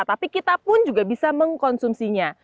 tapi kita pun juga bisa mengkonsumsinya